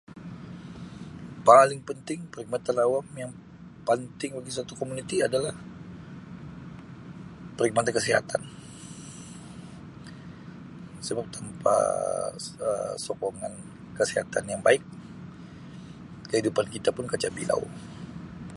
Paling penting perkhidmatan awam yang penting di suatu komuniti adalah perkhidmatan kesihatan sebab tanpa [Um]sokongan kesihatan yang baik kehidupan kita pun kacau bilau.